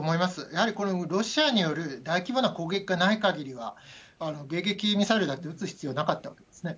やはりこれ、ロシアによる大規模な攻撃がないかぎりは、迎撃ミサイルだって撃つ必要なかったわけですね。